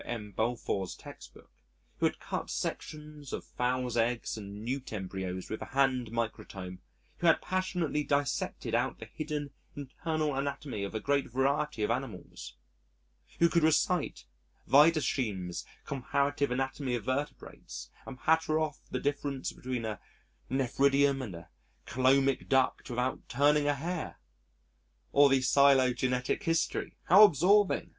M. Balfour's Textbook, who had cut sections of fowls' eggs and newt embryos with a hand microtome, who had passionately dissected out the hidden, internal anatomy of a great variety of animals, who could recite Wiedersheim's Comparative Anatomy of Vertebrates and patter off the difference between a nephridium and a cœlomic duct without turning a hair or the phylogenetic history (how absorbing!)